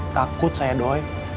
takut saya doi